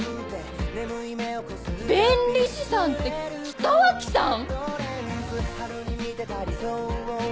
弁理士さんって北脇さん